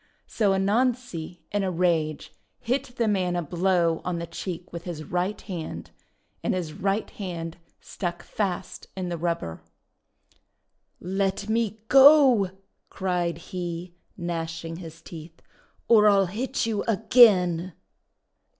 So Anansi, in a rage, hit the man a blow on the cheek with his right hand. And his right hand stuck fast in the rubber. 168 THE WONDER GARDEN 14 Let me go," cried he, gnashing his teeth, "or I '11 hit you again!"